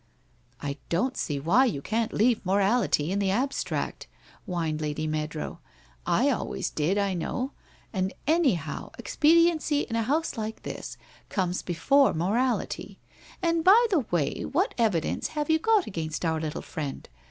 ' I don't see why you can't leave morality in the ab stract ?' whined Lady Meadrow. * I always did, I know. And anyhow, expediency in a house like this, comes before morality. And by the way what evidence have you got against our little friend?